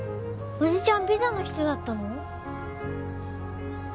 おじちゃんピザの人だったの？